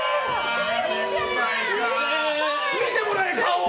見てもらえ、顔を！